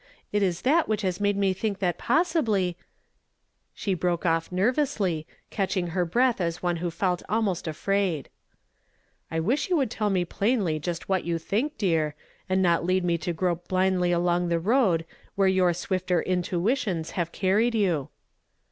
It is that which has made me think that p(xssibly "— She broke oft' nervously, catching her breath as one who felt almost afraid. "I wish you wouhl tell me plainly just what you think, dear, and not lead mu to gro[)e blindly along the road where your swifter intuitions have carried you.'